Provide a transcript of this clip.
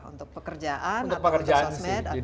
untuk pekerjaan atau untuk sosmed